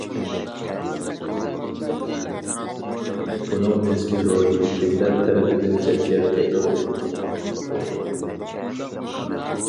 ئۇنىڭ جىسمى روھى كىملەر تەرىپىدىن چەتكە قېقىلدى.